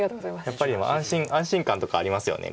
やっぱり安心感とかありますよね。